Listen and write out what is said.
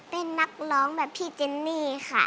เป็นนักร้องแบบพี่เจนนี่ค่ะ